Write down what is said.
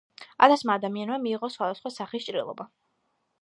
ათასმა ადამიანმა მიიღო სხვადასხვა სახის ჭრილობა.